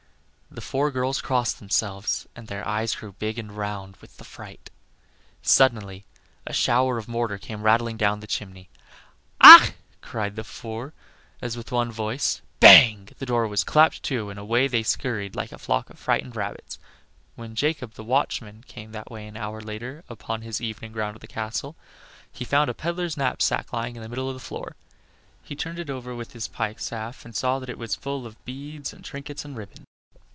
The four girls crossed themselves, and their eyes grew big and round with the fright. Suddenly a shower of mortar came rattling down the chimney. "Ach!" cried the four, as with one voice. Bang! the door was clapped to and away they scurried like a flock of frightened rabbits. When Jacob, the watchman, came that way an hour later, upon his evening round of the castle, he found a peddler's knapsack lying in the middle of the floor. He turned it over with his pike staff and saw that it was full of beads and trinkets and ribbons.